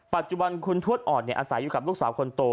ปัจจุบันคุณทวดอ่อนอาศัยอยู่กับลูกสาวคนโต